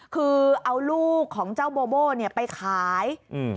คือเอาลูกของเจ้าบูบูเนี่ยไปขาย